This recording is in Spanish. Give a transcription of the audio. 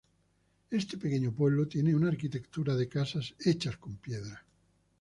Este pequeño pueblo, tiene una arquitectura de casas hechas con piedra.